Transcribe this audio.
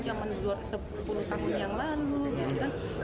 zaman sepuluh tahun yang lalu gitu kan